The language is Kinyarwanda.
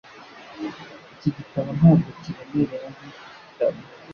Iki gitabo ntabwo kiremereye nkicyo gitabo